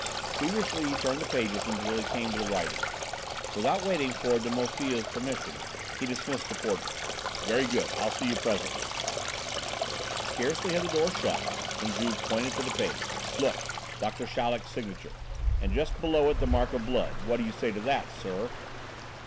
Feverishly he turned the pages until he came to the writing. Without waiting for de Maufil's permission, he dismissed the porter. "Very good, I'll see you presently." Scarcely had the door shut, when Juve pointed to the page. "Look! Doctor Chaleck's signature! And just below it this mark of blood! What do you say to that, sir?"